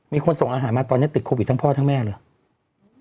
มีคนส่งอาหารมาตอนนี้ติดโควิดทั้งพ่อทั้งแม่เลย